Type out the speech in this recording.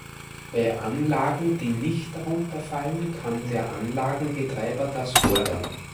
Bei Anlagen, die nicht darunter fallen, kann der Anlagenbetreiber das fordern.